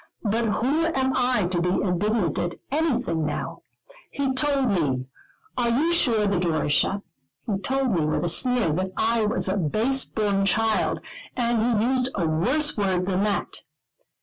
But who am I to be indignant at anything now? He told me are you sure the door is shut? he told me, with a sneer, that I was a base born child, and he used a worse word than that."